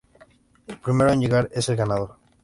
El primero en llegar es el ganador.